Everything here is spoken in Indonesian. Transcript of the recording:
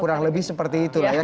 kurang lebih seperti itu lah ya